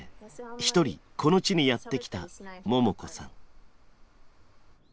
一人この地にやって来たももこさん。